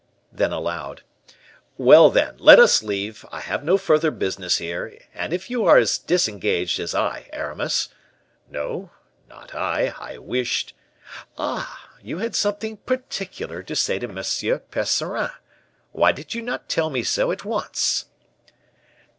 Then aloud, "Well, then, let us leave; I have no further business here, and if you are as disengaged as I, Aramis " "No, not I I wished " "Ah! you had something particular to say to M. Percerin? Why did you not tell me so at once?"